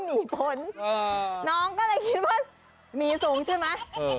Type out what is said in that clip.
หนีผลน้องก็เลยคิดว่ามีสูงใช่ไหม